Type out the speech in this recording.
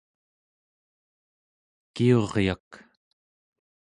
kiuryak